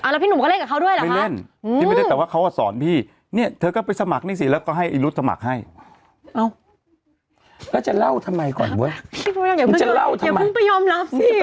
ให้เอ้าแล้วจะเล่าทำไมก่อนเว้ยจะเล่าทำไมอย่าเพิ่งไปยอมรับสิ